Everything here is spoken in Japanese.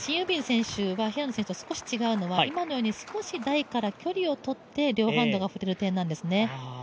選手平野選手と少し違うのは、今のように少し台から距離をとって両ハンドで打てる点なんですね。